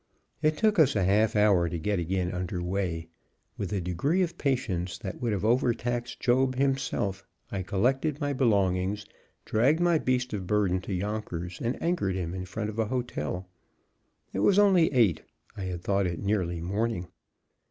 It took us a half hour to get again under way. With a degree of patience that would have overtaxed Job himself, I collected my belongings, dragged my beast of burden to Yonkers, and anchored him in front of a hotel. It was only eight; I had thought it nearly morning.